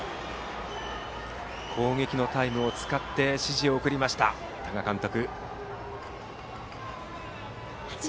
攻撃のタイムを使って指示を送った多賀監督。